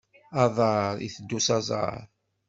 Aḍar, iteddu s aẓar.